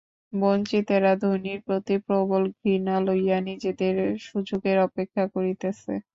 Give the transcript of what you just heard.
বঞ্চিতেরা ধনীর প্রতি প্রবল ঘৃণা লইয়া নিজেদের সুযোগের অপেক্ষা করিতেছে।